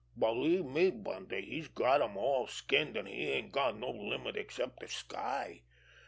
Believe me, Bundy! He's got 'em all skinned, an' he ain't got no limit except de sky.